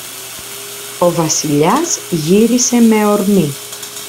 Ο Βασιλιάς γύρισε με ορμή.